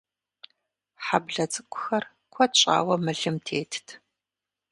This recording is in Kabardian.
Хьэблэ цӀыкӀухэр куэд щӀауэ мылым тетт.